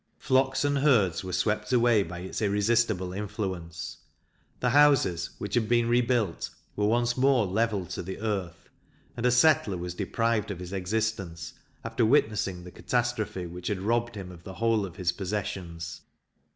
Flocks and herds were swept away by its irresistible influence; the houses, which had been re built, were once more levelled to the earth; and a settler was deprived of his existence, after witnessing the catastrophe which had robbed him of the whole of his possessions.